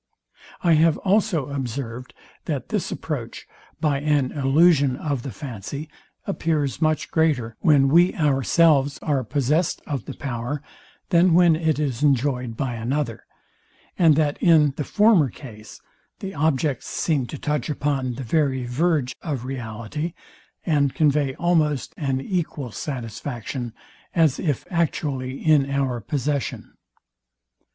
I have also observed, that this approach, by an illusion of the fancy, appears much greater, when we ourselves are possest of the power, than when it is enjoyed by another; and that in the former case the objects seem to touch upon the very verge of reality, and convey almost an equal satisfaction, as if actually in our possession.